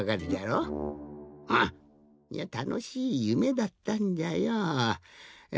うん！いやたのしいゆめだったんじゃよ。え。